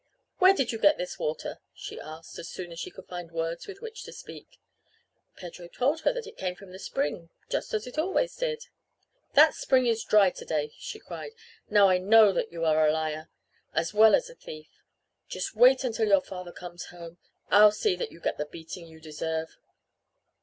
"Where did you get this water?" she asked, as soon as she could find words with which to speak. Pedro told her that it came from the spring just as it always did. "That spring is dry to day!" she cried. "Now I know that you are a liar as well as a thief. Just wait until your father comes home! I'll see that you get the beating you deserve."